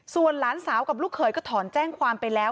ส่วนหลานสาวกับลูกเขยก็ถอนแจ้งความไปแล้ว